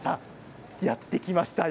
やって来ました。